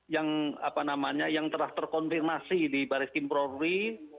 yang apa namanya yang telah terkonfirmasi di baris krimpolri